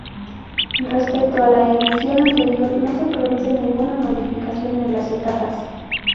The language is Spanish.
Respecto a la edición anterior no se produce ninguna modificación en las etapas.